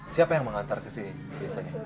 siapa yang mengantar ke sini biasanya